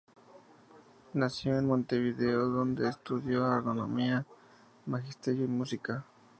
Nació en Montevideo, donde estudió agronomía, magisterio y música.